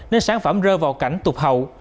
nên sản phẩm rơ vào cảnh tụp hậu